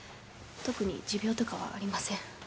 特に持病とかはありません